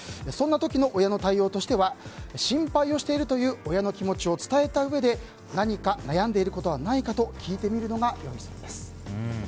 そんな時の親の対応としては心配をしているという親の気持ちを伝えたうえで何か悩んでいることはないかと聞いてみるのが良いそうです。